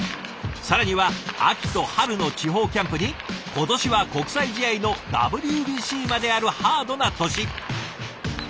更には秋と春の地方キャンプに今年は国際試合のＷＢＣまであるハードな年。